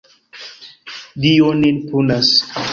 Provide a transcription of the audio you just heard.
Dio nin punas!